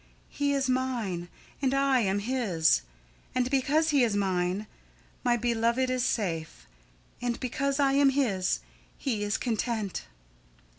"He is mine and I am his. And because he is mine, my beloved is safe; and because I am his, he is content."